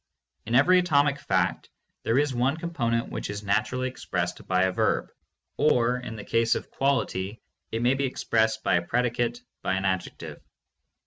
In every atomic fact there is one component which is naturally expressed by a verb (or, in the case of quality, it may be expressed by a predicate, by an adjective).